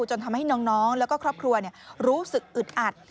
จนทำให้น้องแล้วก็ครอบครัวรู้สึกอึดอัด